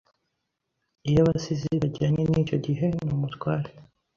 yabasizi bajyanye nicyo gihe ni umutware